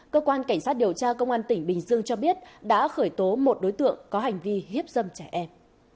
cơ quan cảnh sát điều tra công an tỉnh bình dương cho biết đã khởi tố một đối tượng có hành vi hiếp dâm trẻ em